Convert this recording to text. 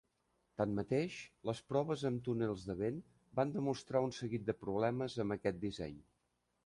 Tanmateix, les proves amb túnels de vent van demostrar un seguit de problemes amb aquest disseny.